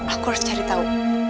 aku bisa mencari tahu